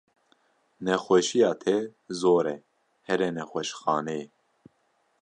Nexweşiya te zor e here nexweşxaneyê.